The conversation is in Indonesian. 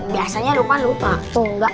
biasanya lukman lupa